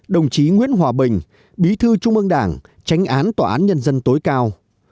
đồng chí nguyễn hòa bình bí thư trung ương đảng tránh án tòa án nhân dân tối cao